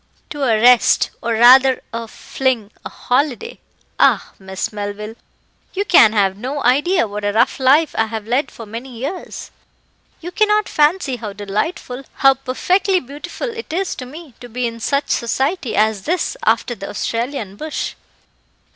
"To a rest, or rather a fling a holiday. Ah! Miss Melville, you can have no idea what a rough life I have led for many years. You cannot fancy how delightful, how perfectly beautiful it is to me to be in such society as this after the Australian bush."